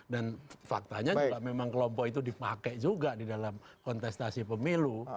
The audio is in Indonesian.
dan faktanya juga memang kelompok itu dipakai juga di dalam kontestasi pemilu